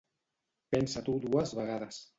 Pensa-t'ho dues vegades